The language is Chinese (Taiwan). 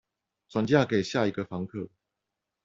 轉嫁給下一個房客